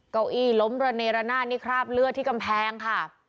เก้าอี้ล้มระเนรนาศนี่คราบเลือดที่กำแพงค่ะ